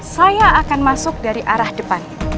saya akan masuk dari arah depan